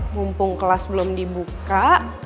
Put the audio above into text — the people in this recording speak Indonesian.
sampai kelas belum dibuka